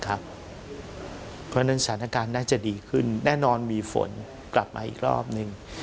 เพราะฉะนั้นสถานการณ์น่าจะดีขึ้นแน่นอนมีฝนกลับมาอีกรอบนึง